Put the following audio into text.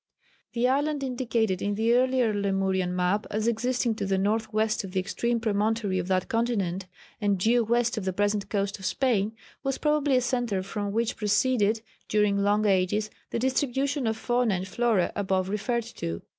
The island indicated in the earlier Lemurian map as existing to the north west of the extreme promontory of that continent, and due west of the present coast of Spain, was probably a centre from which proceeded, during long ages, the distribution of fauna and flora above referred to.